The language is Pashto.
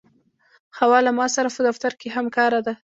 حوا له ما سره په دفتر کې همکاره ده.